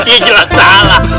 iya jelas salah